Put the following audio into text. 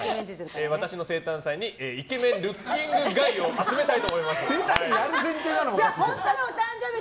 私の生誕祭にイケメンルッキングガイを集めたいと思います。